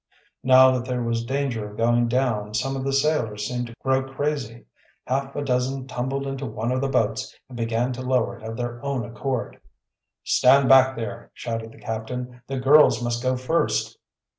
Now that there was danger of going down some of the sailors seemed to grow crazy. Half a dozen tumbled into one of the boats and began to lower it of their own accord. "Stand back there!" shouted the captain. "The girls must go first."